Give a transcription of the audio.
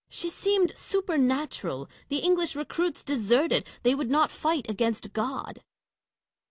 She seemed supernatural : the English recruits deserted ; they would not fight against God.